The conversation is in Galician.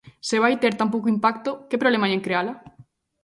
Se vai ter tan pouco impacto, ¿que problema hai en creala?